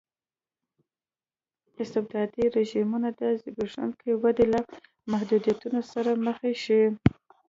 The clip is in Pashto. استبدادي رژیمونه د زبېښونکې ودې له محدودیتونو سره مخ شي.